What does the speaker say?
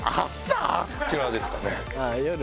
こちらですかね。